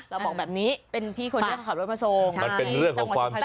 เราบอกแบบนี้เป็นที่เขาขับรถมาทรงใช่มันเป็นเรื่องของความเชื่อ